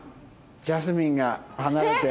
ジャスミンが離れて。